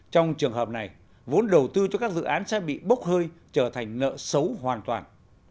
trong trường hợp này vốn đầu tư cho các dự án sẽ bị bốc hơi trở thành nợ xấu hoàn toàn